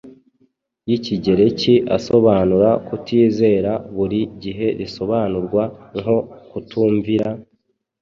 y’Ikigereki asobanura "kutizera" buri gihe risobanurwa nko "kutumvira"